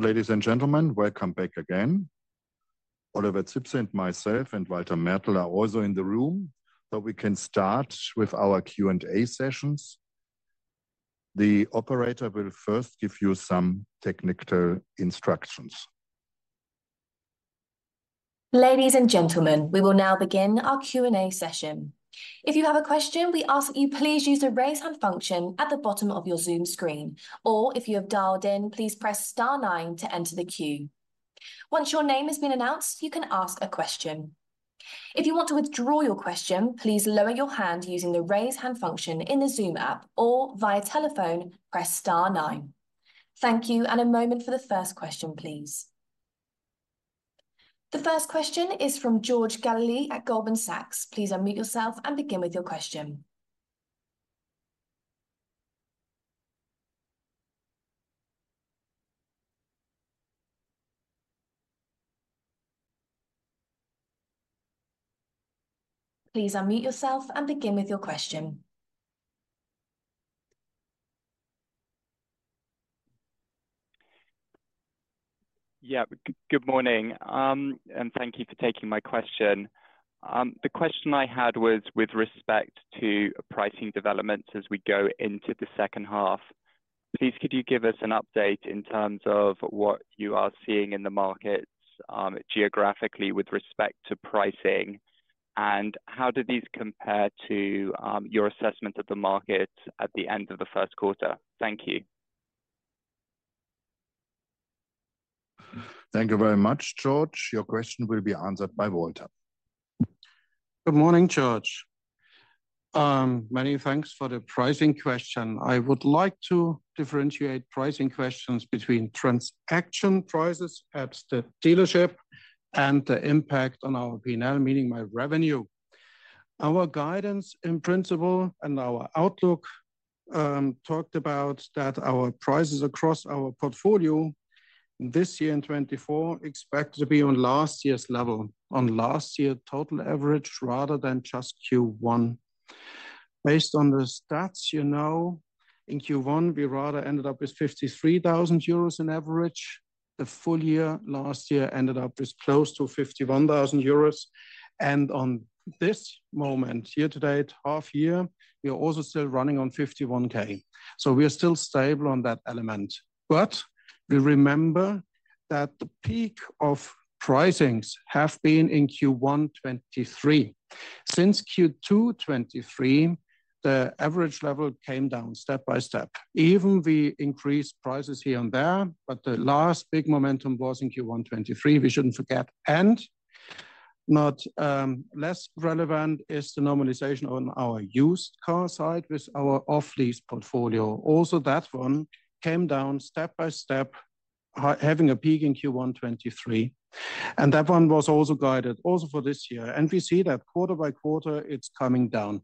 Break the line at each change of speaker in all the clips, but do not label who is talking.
Ladies and gentlemen, welcome back again. Oliver Zipse and myself and Walter Mertl are also in the room, so we can start with our Q&A sessions. The operator will first give you some technical instructions.
Ladies and gentlemen, we will now begin our Q&A session. If you have a question, we ask that you please use the raise hand function at the bottom of your Zoom screen, or if you have dialed in, please press star nine to enter the queue. Once your name has been announced, you can ask a question. If you want to withdraw your question, please lower your hand using the raise hand function in the Zoom app, or via telephone, press star nine. Thank you, and a moment for the first question, please. The first question is from George Galliers at Goldman Sachs. Please unmute yourself and begin with your question. Please unmute yourself and begin with your question.
Yeah, good morning, and thank you for taking my question. The question I had was with respect to pricing developments as we go into the second half. Please, could you give us an update in terms of what you are seeing in the markets geographically with respect to pricing, and how do these compare to your assessment of the markets at the end of the first quarter? Thank you.
Thank you very much, George. Your question will be answered by Walter.
Good morning, George. Many thanks for the pricing question. I would like to differentiate pricing questions between transaction prices at the dealership and the impact on our P&L, meaning my revenue. Our guidance in principle and our outlook talked about that our prices across our portfolio this year in 2024 expect to be on last year's level, on last year's total average, rather than just Q1. Based on the stats, you know, in Q1, we rather ended up with 53,000 euros in average. The full year last year ended up with close to 51,000 euros. And on this moment, year to date, half year, we are also still running on 51,000. So we are still stable on that element. But we remember that the peak of pricings have been in Q1 2023. Since Q2 2023, the average level came down step by step. Even we increased prices here and there, but the last big momentum was in Q1 2023. We shouldn't forget. And not less relevant is the normalization on our used car side with our off-lease portfolio. Also, that one came down step by step, having a peak in Q1 2023. And that one was also guided also for this year. And we see that quarter by quarter, it's coming down.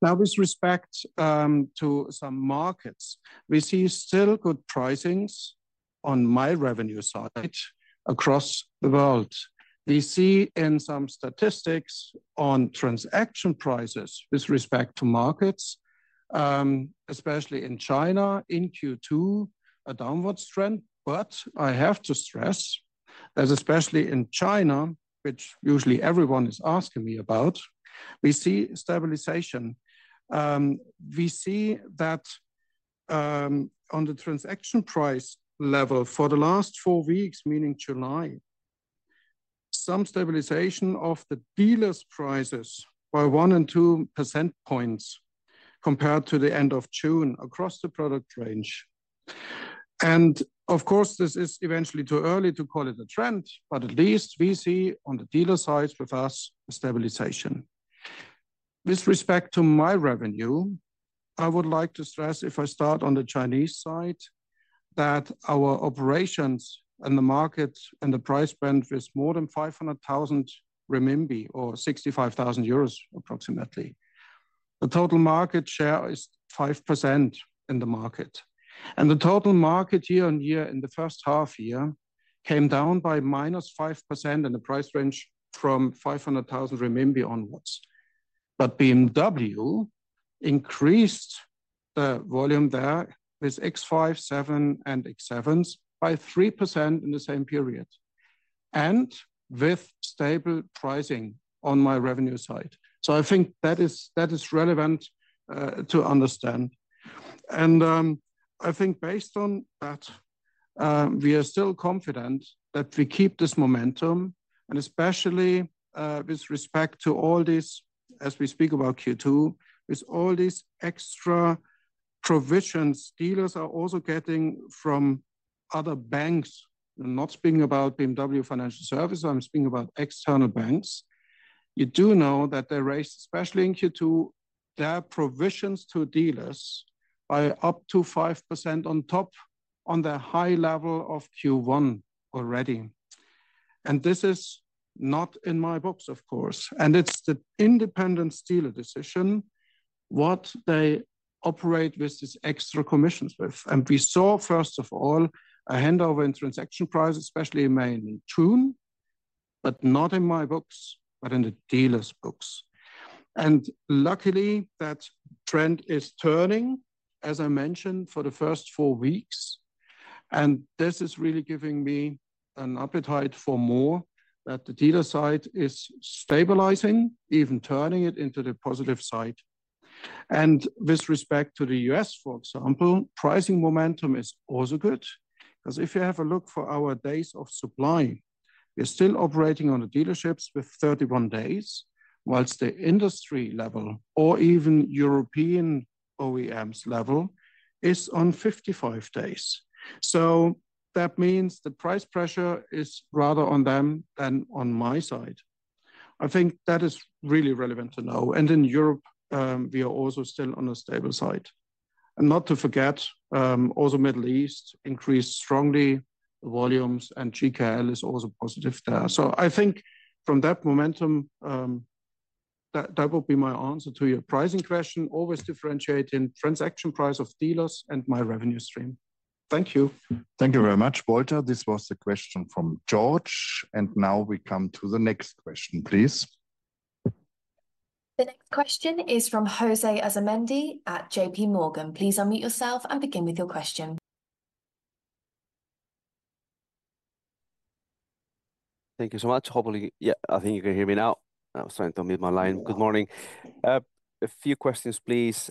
Now, with respect to some markets, we see still good pricings on my revenue side across the world. We see in some statistics on transaction prices with respect to markets, especially in China, in Q2, a downward trend. But I have to stress that especially in China, which usually everyone is asking me about, we see stabilization. We see that on the transaction price level for the last 4 weeks, meaning July, some stabilization of the dealer's prices by 1 and 2 percentage points compared to the end of June across the product range. Of course, this is eventually too early to call it a trend, but at least we see on the dealer side with us a stabilization. With respect to my revenue, I would like to stress if I start on the Chinese side that our operations and the market and the price band with more than 500,000 renminbi or 65,000 euros approximately. The total market share is 5% in the market. The total market year-on-year in the first half year came down by -5% in the price range from 500,000 RMB onwards. But BMW increased the volume there with X5, X7, and 7 Series by 3% in the same period, and with stable pricing on my revenue side. So I think that is relevant to understand. And I think based on that, we are still confident that we keep this momentum, and especially with respect to all these, as we speak about Q2, with all these extra provisions dealers are also getting from other banks. I'm not speaking about BMW Financial Services. I'm speaking about external banks. You do know that they raised, especially in Q2, their provisions to dealers by up to 5% on top on the high level of Q1 already. And this is not in my books, of course. And it's the independent dealer decision what they operate with these extra commissions with. We saw, first of all, a handover in transaction price, especially in May and in June, but not in my books, but in the dealer's books. Luckily, that trend is turning, as I mentioned, for the first four weeks. And this is really giving me an appetite for more that the dealer side is stabilizing, even turning it into the positive side. With respect to the U.S., for example, pricing momentum is also good. Because if you have a look for our days of supply, we're still operating on the dealerships with 31 days, whilst the industry level or even European OEMs level is on 55 days. So that means the price pressure is rather on them than on my side. I think that is really relevant to know. In Europe, we are also still on a stable side. Not to forget, also Middle East increased strongly volumes, and GKL is also positive there. I think from that momentum, that will be my answer to your pricing question. Always differentiating transaction price of dealers and my revenue stream. Thank you.
Thank you very much, Walter. This was the question from George. Now we come to the next question, please.
The next question is from Jose Asumendi at JPMorgan. Please unmute yourself and begin with your question.
Thank you so much. Hopefully, yeah, I think you can hear me now. I was trying to mute my line. Good morning. A few questions, please.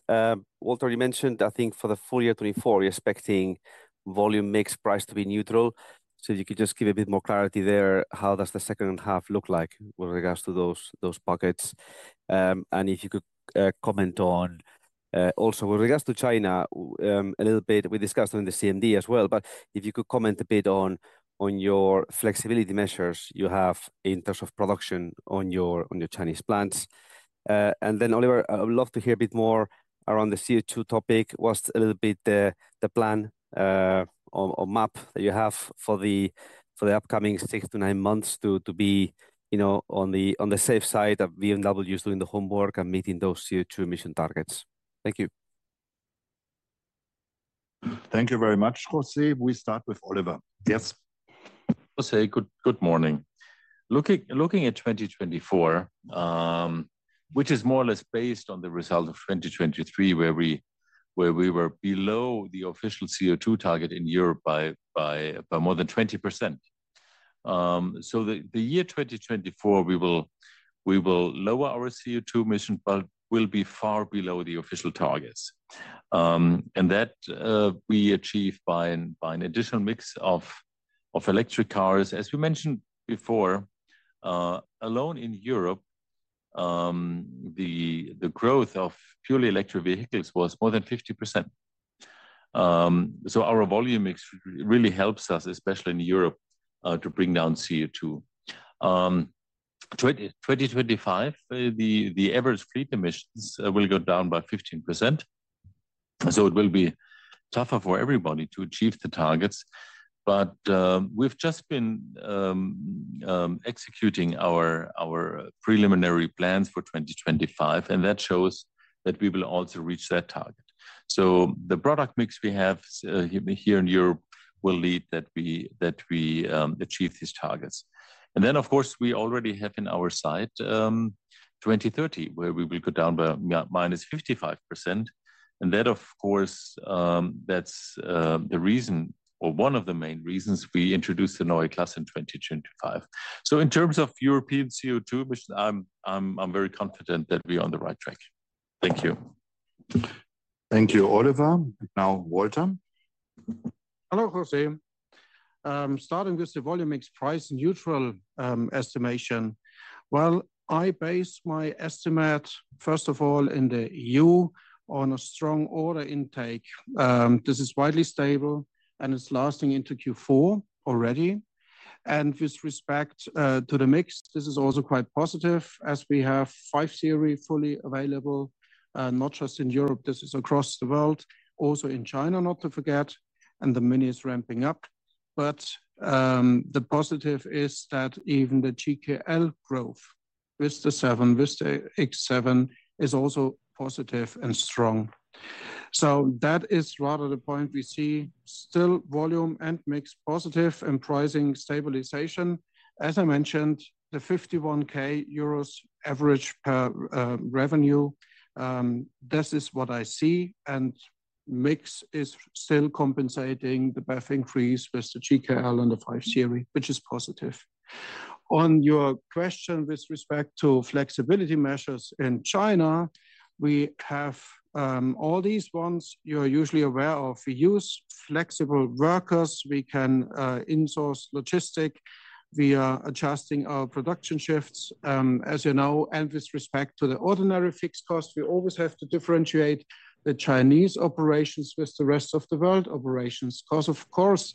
Walter, you mentioned, I think for the full year 2024, we're expecting volume mix price to be neutral. So if you could just give a bit more clarity there, how does the second half look like with regards to those buckets? And if you could comment on also with regards to China a little bit, we discussed on the CMD as well, but if you could comment a bit on your flexibility measures you have in terms of production on your Chinese plants. And then, Oliver, I would love to hear a bit more around the CO2 topic. What's a little bit the plan or map that you have for the upcoming 6-9 months to be on the safe side of BMW doing the homework and meeting those CO2 emission targets? Thank you.
Thank you very much, José. We start with Oliver.
Yes. Jose, good morning. Looking at 2024, which is more or less based on the result of 2023, where we were below the official CO2 target in Europe by more than 20%. So the year 2024, we will lower our CO2 emission, but we'll be far below the official targets. And that we achieved by an additional mix of electric cars. As we mentioned before, alone in Europe, the growth of purely electric vehicles was more than 50%. So our volume mix really helps us, especially in Europe, to bring down CO2. 2025, the average fleet emissions will go down by 15%. So it will be tougher for everybody to achieve the targets. But we've just been executing our preliminary plans for 2025, and that shows that we will also reach that target. So the product mix we have here in Europe will lead that we achieve these targets. Of course, we already have on our side by 2030, where we will go down by -55%. Of course, that's the reason, or one of the main reasons we introduced the Neue Klasse in 2025. In terms of European CO2 emissions, I'm very confident that we are on the right track. Thank you.
Thank you, Oliver. Now, Walter.
Hello, José. Starting with the volume mix price neutral estimation, well, I base my estimate, first of all, in the EU on a strong order intake. This is widely stable, and it's lasting into Q4 already. And with respect to the mix, this is also quite positive as we have 5 Series fully available, not just in Europe. This is across the world, also in China, not to forget, and the MINI is ramping up. But the positive is that even the GKL growth with the 7, with the X7, is also positive and strong. So that is rather the point we see still volume and mix positive and pricing stabilization. As I mentioned, the 51,000 euros average per revenue, this is what I see. And mix is still compensating the BEV increase with the GKL and the 5 Series, which is positive. On your question with respect to flexibility measures in China, we have all these ones you're usually aware of. We use flexible workers. We can insource logistics via adjusting our production shifts. As you know, and with respect to the ordinary fixed cost, we always have to differentiate the Chinese operations with the rest of the world operations. Because, of course,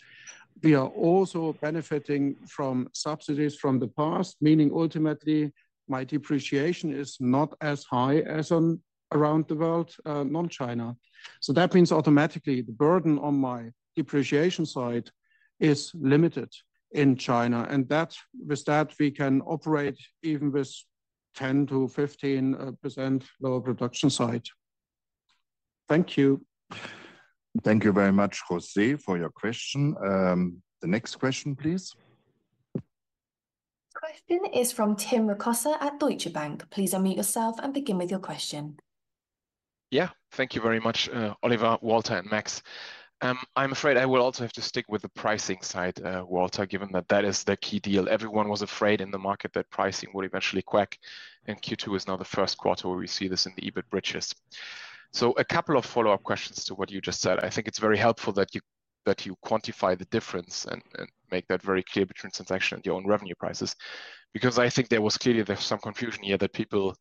we are also benefiting from subsidies from the past, meaning ultimately my depreciation is not as high as around the world, non-China. So that means automatically the burden on my depreciation side is limited in China. And with that, we can operate even with 10%-15% lower production side. Thank you.
Thank you very much, José, for your question. The next question, please.
Question is from Tim Rokossa at Deutsche Bank. Please unmute yourself and begin with your question.
Yeah, thank you very much, Oliver, Walter, and Max. I'm afraid I will also have to stick with the pricing side, Walter, given that that is the key deal. Everyone was afraid in the market that pricing would eventually crack, and Q2 is now the first quarter where we see this in the EBIT bridges. So a couple of follow-up questions to what you just said. I think it's very helpful that you quantify the difference and make that very clear between transaction and your own revenue prices. Because I think there was clearly some confusion here that people,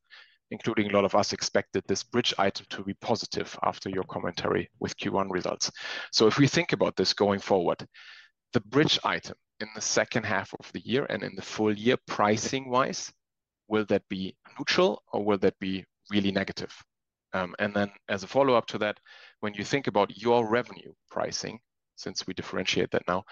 including a lot of us, expected this bridge item to be positive after your commentary with Q1 results. So if we think about this going forward, the bridge item in the second half of the year and in the full year pricing-wise, will that be neutral or will that be really negative? And then as a follow-up to that, when you think about your revenue pricing, since we differentiate that now,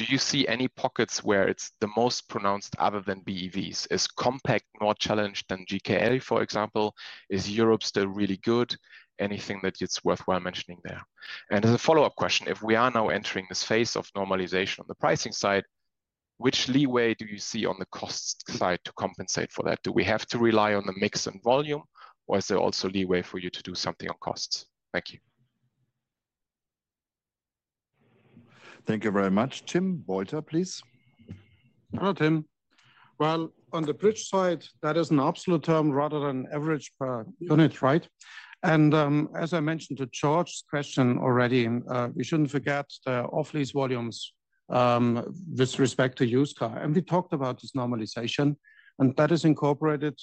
do you see any pockets where it's the most pronounced other than BEVs? Is compact more challenged than GKL, for example? Is Europe still really good? Anything that's worthwhile mentioning there? And as a follow-up question, if we are now entering this phase of normalization on the pricing side, which leeway do you see on the cost side to compensate for that? Do we have to rely on the mix and volume, or is there also leeway for you to do something on costs? Thank you.
Thank you very much. Tim, Walter, please.
Hello, Tim. Well, on the bridge side, that is an absolute term rather than average per unit, right? As I mentioned to George's question already, we shouldn't forget the off-lease volumes with respect to used car. We talked about this normalization, and that is incorporated,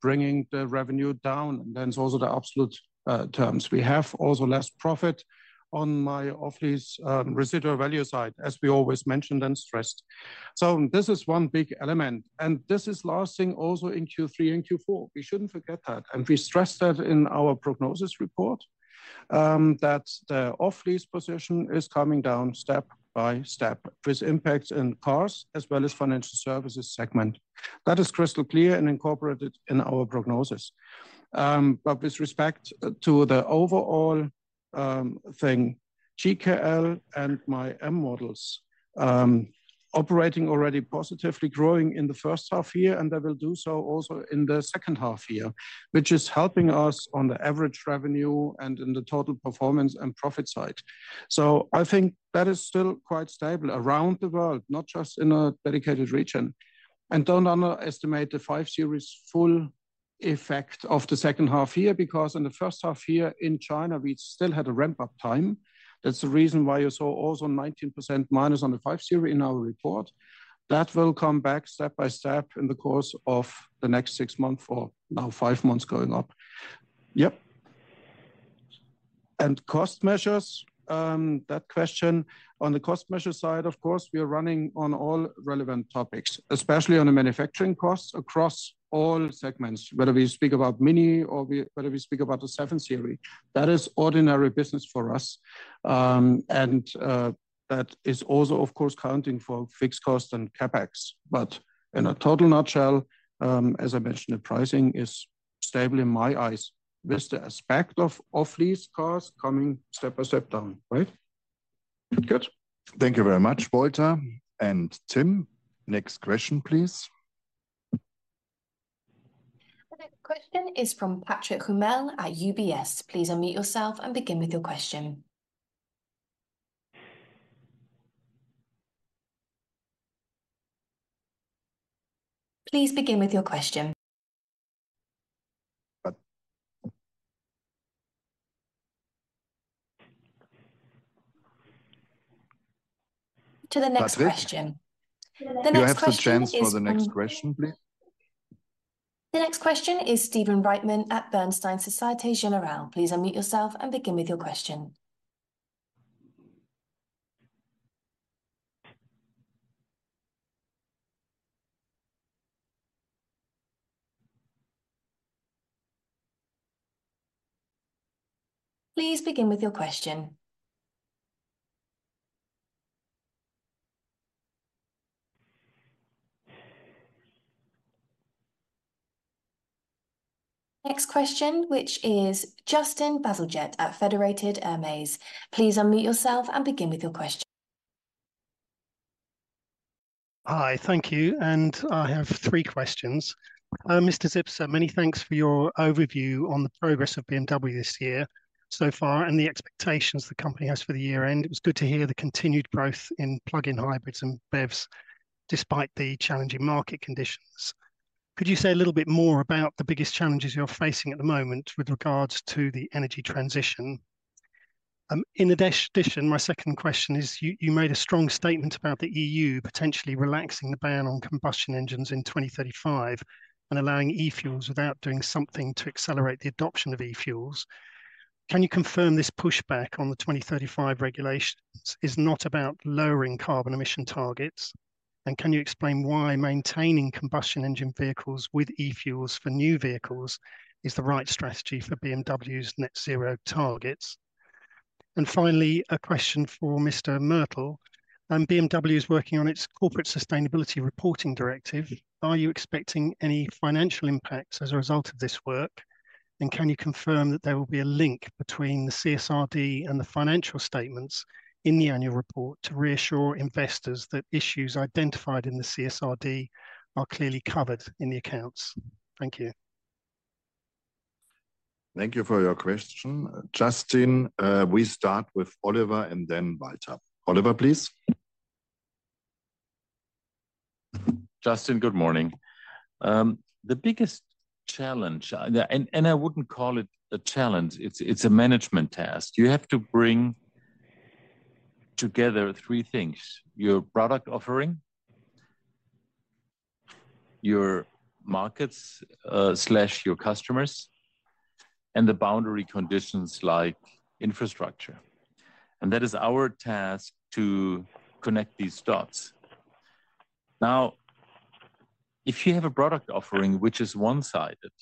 bringing the revenue down. Then it's also the absolute terms. We have also less profit on my off-lease residual value side, as we always mentioned and stressed. So this is one big element. This is lasting also in Q3 and Q4. We shouldn't forget that. We stressed that in our prognosis report, that the off-lease position is coming down step by step with impact in cars as well as financial services segment. That is crystal clear and incorporated in our prognosis. But with respect to the overall thing, GKL and my M models operating already positively growing in the first half year, and they will do so also in the second half year, which is helping us on the average revenue and in the total performance and profit side. So I think that is still quite stable around the world, not just in a dedicated region. And don't underestimate the 5 Series full effect of the second half year, because in the first half year in China, we still had a ramp-up time. That's the reason why you saw also -19% on the 5 Series in our report. That will come back step by step in the course of the next 6 months or now 5 months going up. Yep. Cost measures, that question on the cost measure side, of course, we are running on all relevant topics, especially on the manufacturing costs across all segments, whether we speak about MINI or whether we speak about the 7 Series. That is ordinary business for us. And that is also, of course, counting for fixed costs and CapEx. But in a total nutshell, as I mentioned, the pricing is stable in my eyes with the aspect of off-lease cars coming step by step down, right?
Good.
Thank you very much, Walter and Tim. Next question, please.
The question is from Patrick Hummel at UBS. Please unmute yourself and begin with your question. Please begin with your question. To the next question.
The next question, please.
The next question is Stephen Reitman at Bernstein Société Générale. Please unmute yourself and begin with your question. Please begin with your question. Next question, which is Justin Bazalgette at Federated Hermes. Please unmute yourself and begin with your question.
Hi, thank you. I have three questions. Mr. Zipse, many thanks for your overview on the progress of BMW this year so far and the expectations the company has for the year-end. It was good to hear the continued growth in plug-in hybrids and BEVs despite the challenging market conditions. Could you say a little bit more about the biggest challenges you're facing at the moment with regards to the energy transition? In addition, my second question is, you made a strong statement about the EU potentially relaxing the ban on combustion engines in 2035 and allowing e-fuels without doing something to accelerate the adoption of e-fuels. Can you confirm this pushback on the 2035 regulations is not about lowering carbon emission targets? And can you explain why maintaining combustion engine vehicles with e-fuels for new vehicles is the right strategy for BMW's net zero targets? Finally, a question for Mr. Mertl. BMW is working on its corporate sustainability reporting directive. Are you expecting any financial impacts as a result of this work? And can you confirm that there will be a link between the CSRD and the financial statements in the annual report to reassure investors that issues identified in the CSRD are clearly covered in the accounts? Thank you.
Thank you for your question. Justin, we start with Oliver and then Walter. Oliver, please.
Justin, good morning. The biggest challenge, and I wouldn't call it a challenge, it's a management task. You have to bring together three things: your product offering, your markets, your customers, and the boundary conditions like infrastructure. And that is our task to connect these dots. Now, if you have a product offering which is one-sided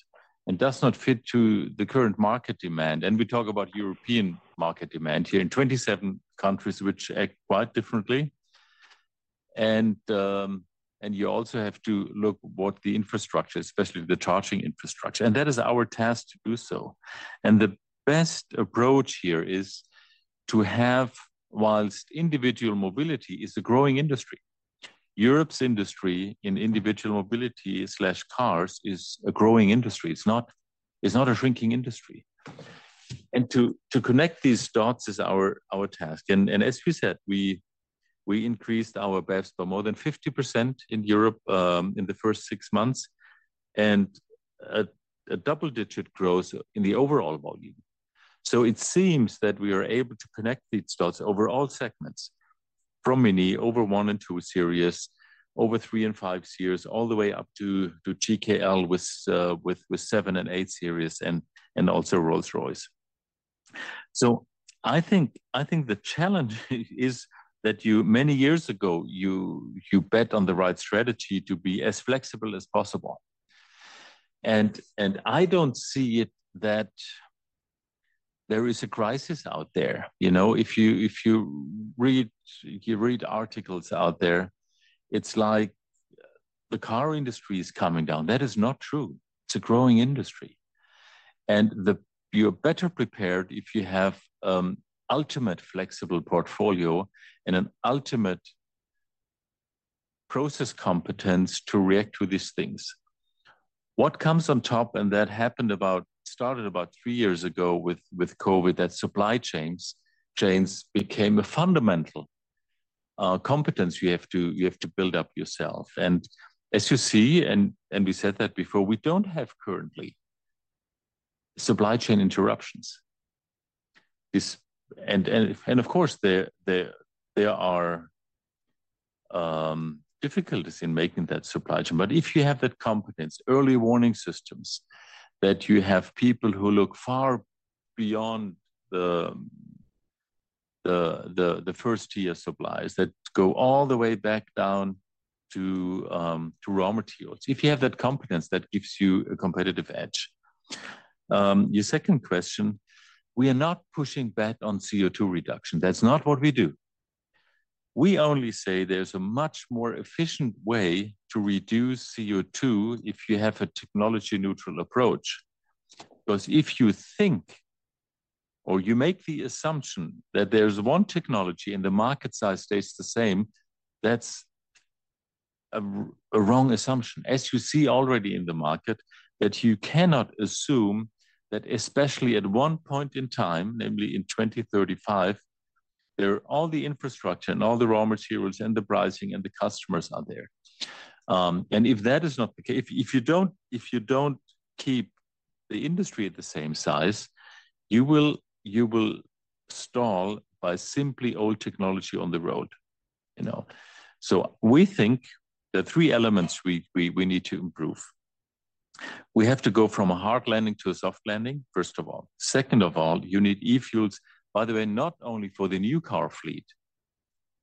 and does not fit to the current market demand, and we talk about European market demand here in 27 countries which act quite differently, and you also have to look at what the infrastructure, especially the charging infrastructure, and that is our task to do so. And the best approach here is to have, whilst individual mobility is a growing industry, Europe's industry in individual mobility, cars is a growing industry. It's not a shrinking industry. To connect these dots is our task. As we said, we increased our BEVs by more than 50% in Europe in the first six months and a double-digit growth in the overall volume. So it seems that we are able to connect these dots over all segments from MINI, over 1 and 2 Series, over 3 and 5 Series, all the way up to GKL with 7 and 8 Series and also Rolls-Royce. So I think the challenge is that many years ago, you bet on the right strategy to be as flexible as possible. And I don't see that there is a crisis out there. If you read articles out there, it's like the car industry is coming down. That is not true. It's a growing industry. And you're better prepared if you have an ultimate flexible portfolio and an ultimate process competence to react to these things. What comes on top, and that happened about, started about three years ago with COVID, that supply chains became a fundamental competence you have to build up yourself. As you see, and we said that before, we don't have currently supply chain interruptions. Of course, there are difficulties in making that supply chain. But if you have that competence, early warning systems, that you have people who look far beyond the first-tier supplies that go all the way back down to raw materials, if you have that competence, that gives you a competitive edge. Your second question, we are not pushing back on CO2 reduction. That's not what we do. We only say there's a much more efficient way to reduce CO2 if you have a technology-neutral approach. Because if you think or you make the assumption that there's one technology and the market size stays the same, that's a wrong assumption. As you see already in the market, that you cannot assume that especially at one point in time, namely in 2035, there are all the infrastructure and all the raw materials and the pricing and the customers out there. And if that is not the case, if you don't keep the industry at the same size, you will stall by simply old technology on the road. So we think the three elements we need to improve. We have to go from a hard landing to a soft landing, first of all. Second of all, you need e-fuels, by the way, not only for the new car fleet.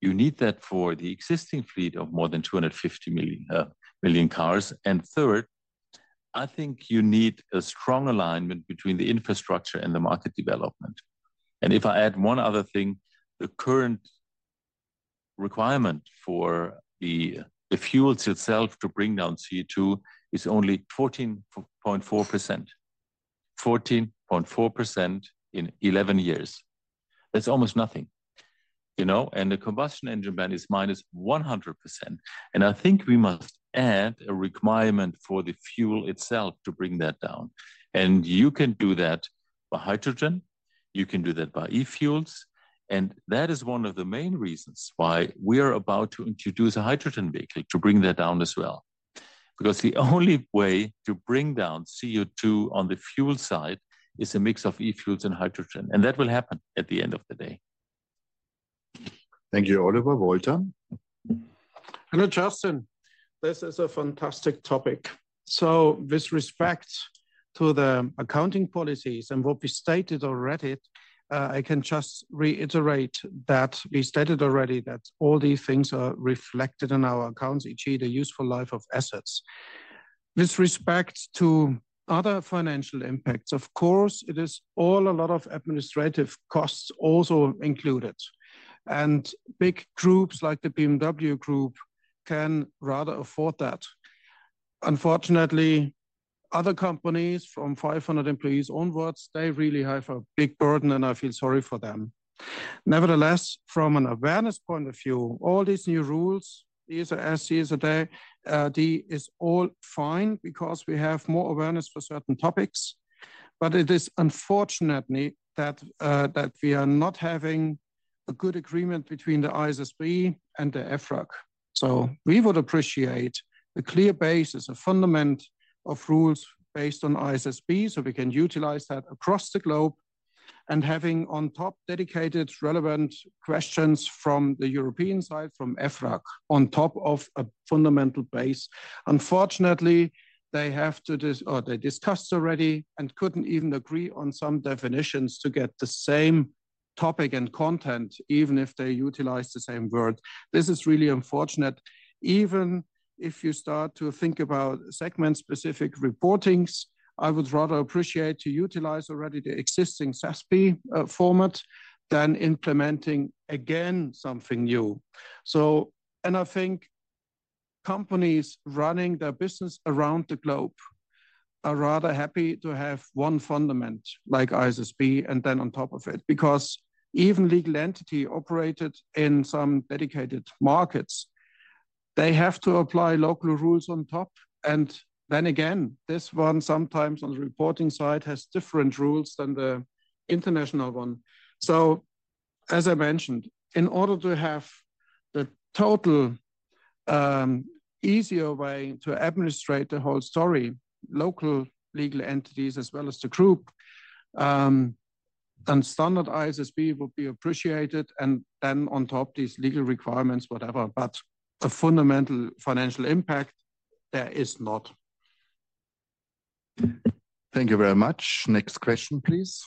You need that for the existing fleet of more than 250 million cars. And third, I think you need a strong alignment between the infrastructure and the market development. And if I add one other thing, the current requirement for the fuels itself to bring down CO2 is only 14.4%. 14.4% in 11 years. That's almost nothing. And the combustion engine ban is -100%. And I think we must add a requirement for the fuel itself to bring that down. And you can do that by hydrogen. You can do that by e-fuels. And that is one of the main reasons why we are about to introduce a hydrogen vehicle to bring that down as well. Because the only way to bring down CO2 on the fuel side is a mix of e-fuels and hydrogen. And that will happen at the end of the day.
Thank you, Oliver. Walter.
Hello, Justin. This is a fantastic topic. With respect to the accounting policies and what we stated already, I can just reiterate that we stated already that all these things are reflected in our accounts, each either useful life of assets. With respect to other financial impacts, of course, it is all a lot of administrative costs also included. Big groups like the BMW Group can rather afford that. Unfortunately, other companies from 500 employees onwards, they really have a big burden, and I feel sorry for them. Nevertheless, from an awareness point of view, all these new rules, ESRS, CSRD, is all fine because we have more awareness for certain topics. But it is unfortunate that we are not having a good agreement between the ISSB and the EFRAG. So we would appreciate a clear basis, a fundament of rules based on ISSB so we can utilize that across the globe and having on top dedicated relevant questions from the European side from EFRAG on top of a fundamental base. Unfortunately, they have to, or they discussed already and couldn't even agree on some definitions to get the same topic and content, even if they utilize the same word. This is really unfortunate. Even if you start to think about segment-specific reportings, I would rather appreciate to utilize already the existing SASB format than implementing again something new. I think companies running their business around the globe are rather happy to have one fundament like ISSB and then on top of it. Because even legal entity operated in some dedicated markets, they have to apply local rules on top. Then again, this one sometimes on the reporting side has different rules than the international one. So as I mentioned, in order to have the total easier way to administrate the whole story, local legal entities as well as the group, then standard ISSB would be appreciated. Then on top, these legal requirements, whatever. But a fundamental financial impact, there is not.
Thank you very much. Next question, please.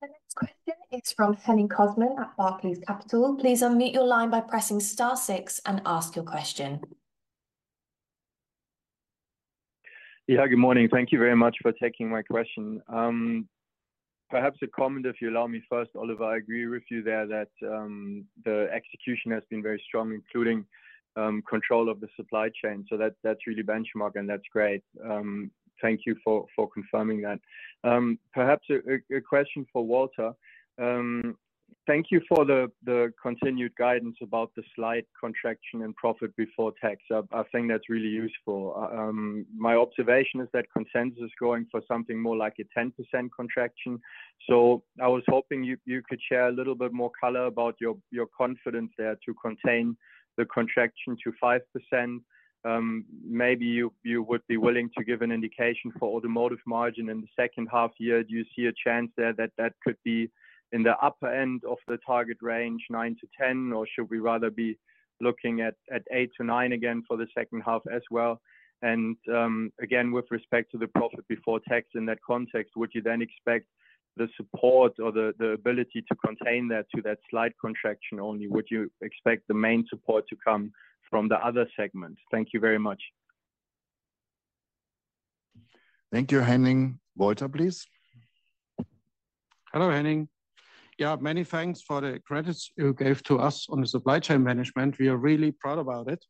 The next question is from Henning Cosman at Barclays Capital. Please unmute your line by pressing star six and ask your question.
Yeah, good morning. Thank you very much for taking my question. Perhaps a comment, if you allow me first, Oliver, I agree with you there that the execution has been very strong, including control of the supply chain. So that's really benchmark and that's great. Thank you for confirming that. Perhaps a question for Walter. Thank you for the continued guidance about the slight contraction in profit before tax. I think that's really useful. My observation is that consensus is going for something more like a 10% contraction. So I was hoping you could share a little bit more color about your confidence there to contain the contraction to 5%. Maybe you would be willing to give an indication for automotive margin in the second half year. Do you see a chance there that that could be in the upper end of the target range, 9-10, or should we rather be looking at 8-9 again for the second half as well? And again, with respect to the profit before tax in that context, would you then expect the support or the ability to contain that to that slight contraction only? Would you expect the main support to come from the other segment? Thank you very much.
Thank you, Henning. Walter, please.
Hello, Henning. Yeah, many thanks for the credits you gave to us on the supply chain management. We are really proud about it.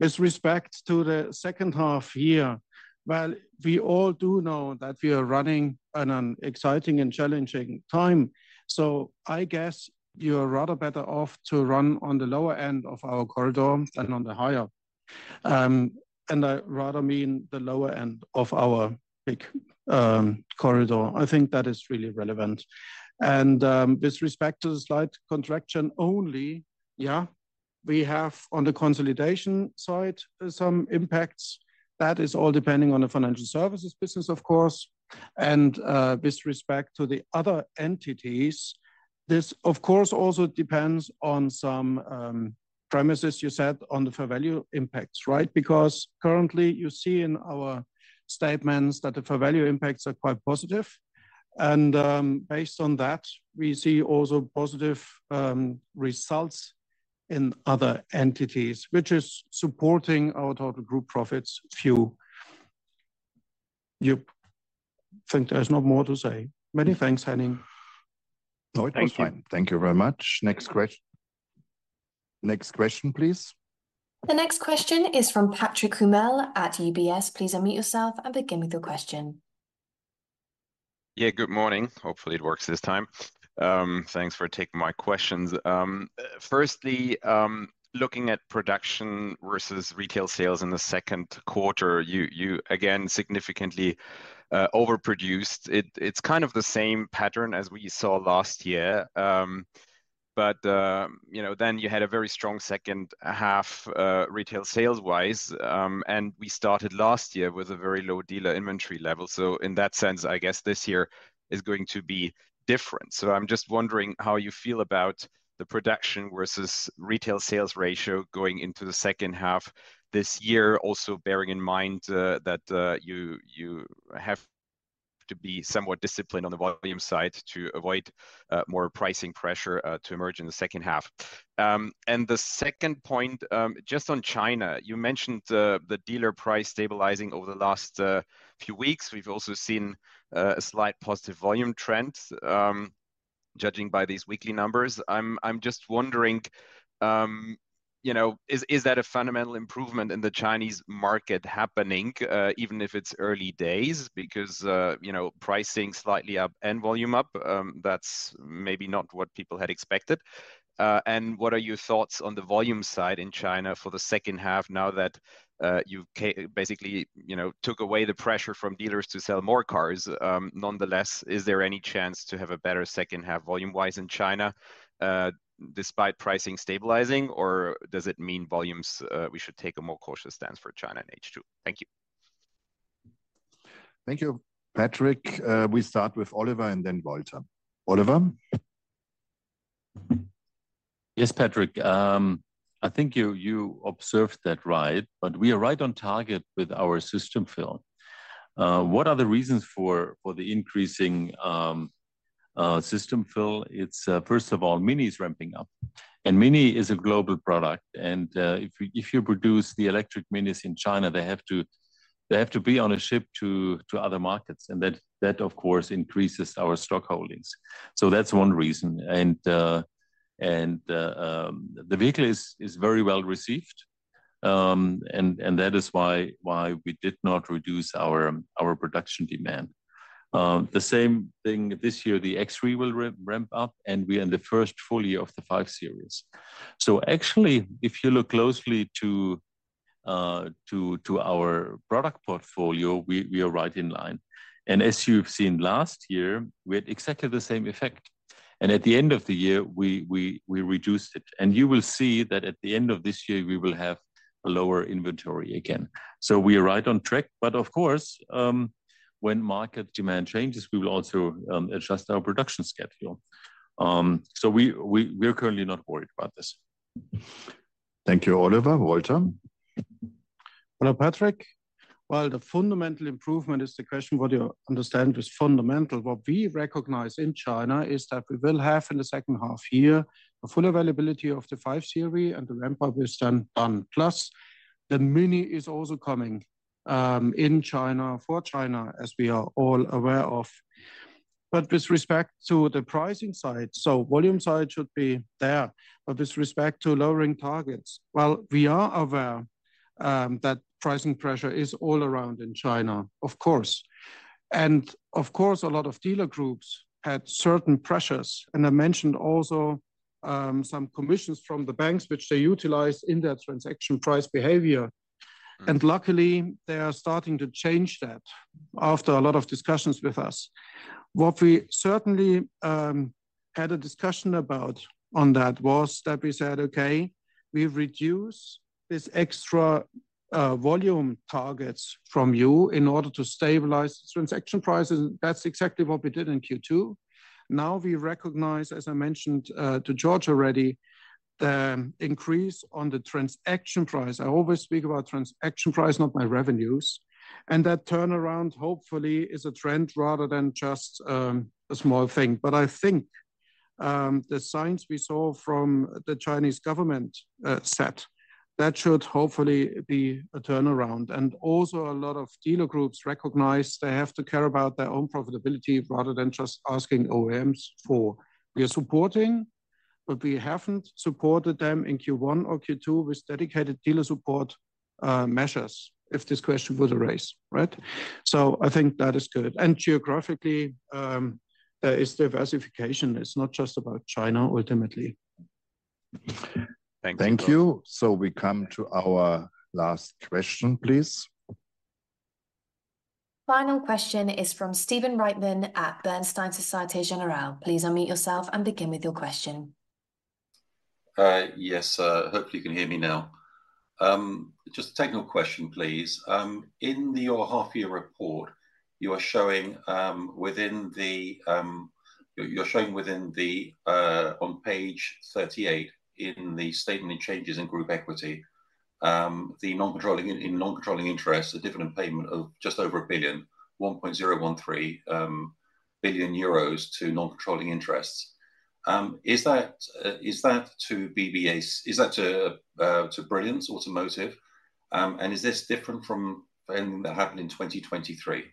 With respect to the second half year, well, we all do know that we are running on an exciting and challenging time. So I guess you are rather better off to run on the lower end of our corridor than on the higher. And I rather mean the lower end of our big corridor. I think that is really relevant. And with respect to the slight contraction only, yeah, we have on the consolidation side some impacts. That is all depending on the financial services business, of course. And with respect to the other entities, this, of course, also depends on some premises, you said, on the fair value impacts, right? Because currently, you see in our statements that the fair value impacts are quite positive. Based on that, we see also positive results in other entities, which is supporting our total group profit figure. You think there's not more to say. Many thanks, Henning.
No, it was fine. Thank you very much. Next question. Next question, please.
The next question is from Patrick Hummel at UBS. Please unmute yourself and begin with your question.
Yeah, good morning. Hopefully, it works this time. Thanks for taking my questions. Firstly, looking at production versus retail sales in the second quarter, you again significantly overproduced. It's kind of the same pattern as we saw last year. But then you had a very strong second half retail sales-wise. And we started last year with a very low dealer inventory level. So in that sense, I guess this year is going to be different. So I'm just wondering how you feel about the production versus retail sales ratio going into the second half this year, also bearing in mind that you have to be somewhat disciplined on the volume side to avoid more pricing pressure to emerge in the second half. And the second point, just on China, you mentioned the dealer price stabilizing over the last few weeks. We've also seen a slight positive volume trend judging by these weekly numbers. I'm just wondering, is that a fundamental improvement in the Chinese market happening, even if it's early days? Because pricing slightly up and volume up, that's maybe not what people had expected. What are your thoughts on the volume side in China for the second half now that you basically took away the pressure from dealers to sell more cars? Nonetheless, is there any chance to have a better second half volume-wise in China despite pricing stabilizing? Or does it mean volumes we should take a more cautious stance for China in H2? Thank you.
Thank you, Patrick. We start with Oliver and then Walter. Oliver.
Yes, Patrick. I think you observed that right, but we are right on target with our system fill. What are the reasons for the increasing system fill? It's, first of all, MINIs ramping up. And MINI is a global product. And if you produce the electric MINIs in China, they have to be on a ship to other markets. And that, of course, increases our stock holdings. So that's one reason. And the vehicle is very well received. And that is why we did not reduce our production demand. The same thing this year, the X3 will ramp up, and we are in the first full year of the 5 Series. So actually, if you look closely to our product portfolio, we are right in line. And as you've seen last year, we had exactly the same effect. And at the end of the year, we reduced it. You will see that at the end of this year, we will have a lower inventory again. We are right on track. Of course, when market demand changes, we will also adjust our production schedule. We are currently not worried about this.
Thank you, Oliver. Walter.
Hello, Patrick. Well, the fundamental improvement is the question what you understand is fundamental. What we recognize in China is that we will have in the second half year a full availability of the 5 Series and the ramp-up is done. Plus, the MINI is also coming in China for China, as we are all aware of. But with respect to the pricing side, so volume side should be there. But with respect to lowering targets, well, we are aware that pricing pressure is all around in China, of course. And of course, a lot of dealer groups had certain pressures. And I mentioned also some commissions from the banks, which they utilize in their transaction price behavior. And luckily, they are starting to change that after a lot of discussions with us. What we certainly had a discussion about on that was that we said, okay, we reduce this extra volume targets from you in order to stabilize transaction prices. That's exactly what we did in Q2. Now we recognize, as I mentioned to George already, the increase on the transaction price. I always speak about transaction price, not my revenues. And that turnaround, hopefully, is a trend rather than just a small thing. But I think the signs we saw from the Chinese government said, that should hopefully be a turnaround. And also a lot of dealer groups recognize they have to care about their own profitability rather than just asking OEMs for. We are supporting, but we haven't supported them in Q1 or Q2 with dedicated dealer support measures, if this question was raised, right? So I think that is good. And geographically, there is diversification. It's not just about China, ultimately.
Thank you. We come to our last question, please.
Final question is from Stephen Reitman at Bernstein Société Générale. Please unmute yourself and begin with your question.
Yes, hopefully you can hear me now. Just a technical question, please. In your half-year report, you are showing, on page 38, in the statement of changes in group equity, the non-controlling interest, the dividend payment of just over a billion, 1.013 billion euros to non-controlling interests. Is that to BBA? Is that to Brilliance Automotive? And is this different from anything that happened in 2023?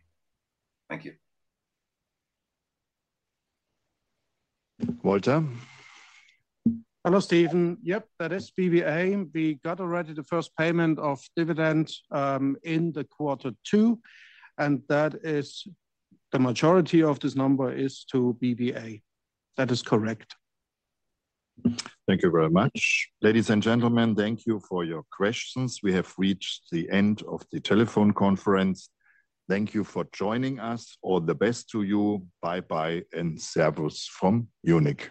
Thank you.
Walter.
Hello, Stephen. Yep, that is BBA. We got already the first payment of dividend in the quarter two. And that is the majority of this number is to BBA. That is correct.
Thank you very much. Ladies and gentlemen, thank you for your questions. We have reached the end of the telephone conference. Thank you for joining us. All the best to you. Bye-bye and servus from Munich.